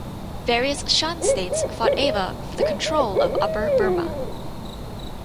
Various Shan states fought Ava for the control of Upper Burma.